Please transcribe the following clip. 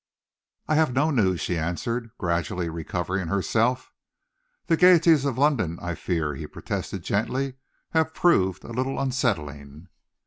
"I have no news," she answered, gradually recovering herself. "The gaieties of London, I fear," he protested gently, "have proved a little unsettling."